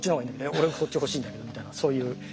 「えっ俺こっち欲しいんだけど」みたいなそういう。